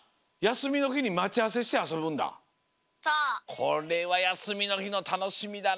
これはやすみのひのたのしみだな。